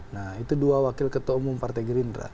nah itu dua wakil ketua umum partai gerindra